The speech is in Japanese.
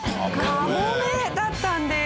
カモメだったんです。